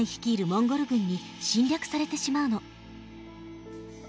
モンゴル軍に侵略されてしまうの。